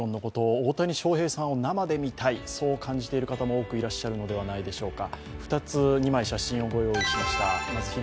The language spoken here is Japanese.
大谷翔平さんを生で見たいそう感じている方もいるのではないでしょうか。